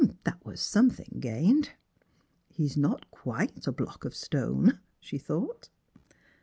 That waa eomething gained. " He is nofc quite a block of stone !" she thought.